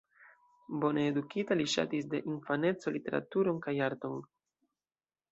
Bone edukita, li ŝatis de infaneco literaturon kaj arton.